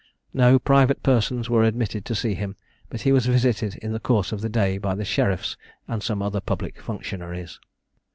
No private persons were admitted to see him, but he was visited in the course of the day by the sheriffs and some other public functionaries.